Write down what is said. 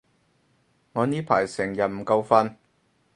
我呢排成日唔夠瞓